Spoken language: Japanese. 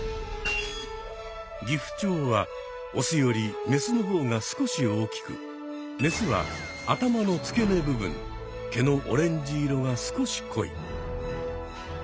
ギフチョウはオスよりメスの方が少し大きくメスは頭の付け根部分毛のオレンジ色が少し濃い。